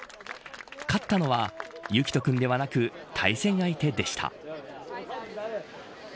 勝ったのは、雪兎君ではなく対戦相手でした。